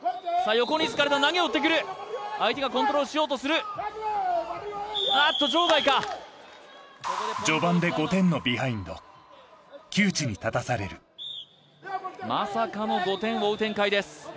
横につかれた投げを打ってくる相手がコントロールしようとするあっと場外か序盤で窮地に立たされるまさかの５点を追う展開です